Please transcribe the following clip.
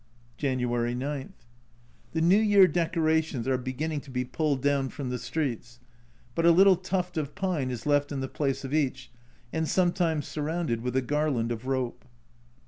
January 9. The New Year decorations are beginning to be pulled down from the streets, but a little tuft of pine is left in the place of each, and sometimes surrounded with a garland of rope.